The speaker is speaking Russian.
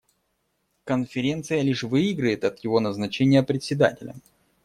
Конференция лишь выиграет от его назначения Председателем.